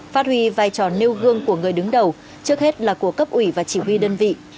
phát huy vai trò nêu gương của người đứng đầu trước hết là của cấp ủy và chỉ huy đơn vị